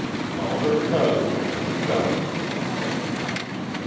Call her 'Cousin,' and be done with it."